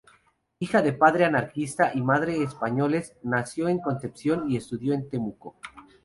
Hija de padre anarquista y madre españoles, nació en Concepción y estudió en Temuco.